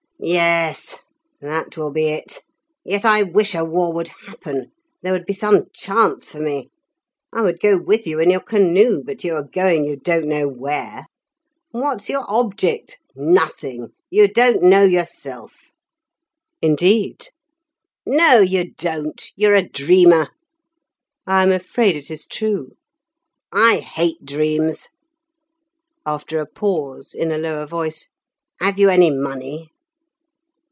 '" "Yes, that will be it. Yet I wish a war would happen; there would be some chance for me. I would go with you in your canoe, but you are going you don't know where. What's your object? Nothing. You don't know yourself." "Indeed!" "No, you don't; you're a dreamer." "I am afraid it is true." "I hate dreams." After a pause, in a lower voice, "Have you any money?"